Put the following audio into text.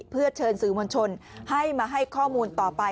เพื่อเชิญสื่อมวลชนให้มาให้ข้อมูลต่อไป